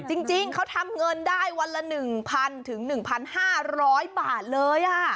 จริงจริงเขาทำเงินได้วันละหนึ่งพันถึงหนึ่งพันห้าร้อยบาทเลยอ่ะ